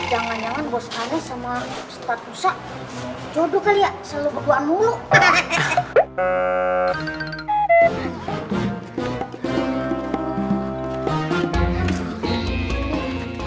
wah jangan jangan bos aneh sama ustadz ustadz zanurul jodoh kali ya selalu kebua mulu